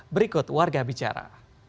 berikut warga bicara